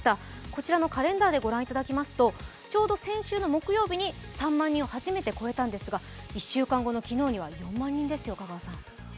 こちらのカレンダーで御覧いただきますと、ちょうど先週木曜日に３万人を初めて超えたんですが、４万人ですよ、香川さん。